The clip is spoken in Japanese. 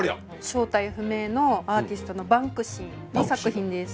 正体不明のアーティストのバンクシーの作品です。